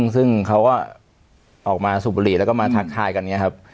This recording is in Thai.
ซึ่งเขาก็ออกมาสูบบุหรี่แล้วก็มาทักทายกันอย่างนี้ครับ